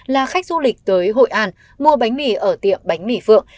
là khách du lịch tới hội an mua bánh mì ở tiệm bánh mì phượng